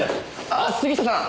ああっ杉下さん！